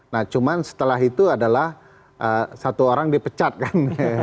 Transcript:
nah cuman setelah itu adalah satu orang dipecat kan